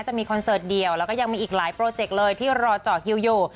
คอนเสิร์ตเดียวแล้วก็ยังมีอีกหลายโปรเจกต์เลยที่รอเจาะคิวอยู่